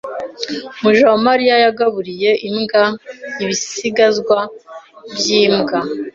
Mujawamariya yagaburiye imbwa ibisigazwa byimbwa.